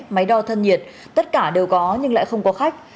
máy đo thân nhiệt tất cả đều có nhưng lại không có khách